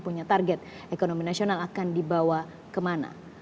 punya target ekonomi nasional akan dibawa kemana